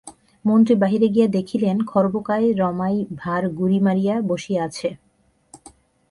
মন্ত্রী বাহিরে গিয়া দেখিলেন, খর্বকায় রমাই ভাঁড় গুঁড়ি মারিয়া বসিয়া আছে।